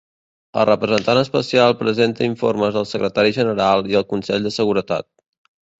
El representant especial presenta informes al Secretari General i al Consell de Seguretat.